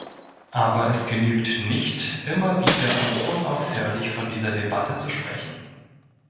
Aber es genügt nicht, immer wieder und unaufhörlich von dieser Debatte zu sprechen.